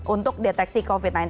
untuk deteksi covid sembilan belas